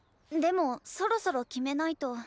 でもそろそろ決めないと。